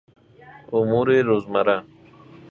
امورروزمره